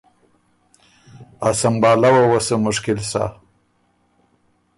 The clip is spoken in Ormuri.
ا سمبهالؤ وه سُو مشکل سۀ۔